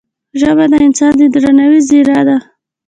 ژبه د انسان د درناوي زریعه ده